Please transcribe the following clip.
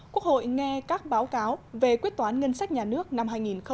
quốc hội nghe các báo cáo về quyết toán ngân sách nhà nước năm hai nghìn một mươi bảy